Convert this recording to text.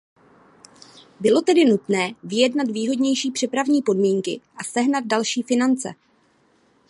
Bylo tedy nutné vyjednat výhodnější přepravní podmínky a sehnat další finance.